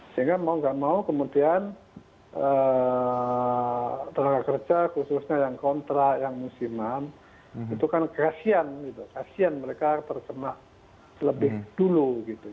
sehingga mau tidak mau kemudian tenaga kerja khususnya yang kontra yang musiman itu kan kasihan mereka tersemak lebih dulu